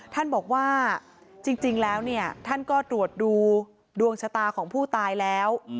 ท่านบอกว่าจริงแล้วเนี่ยท่านก็ตรวจดูดวงชะตาของผู้ตายแล้ว